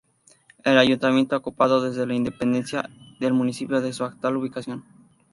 El ayuntamiento ha ocupado desde la independencia del municipio su actual ubicación.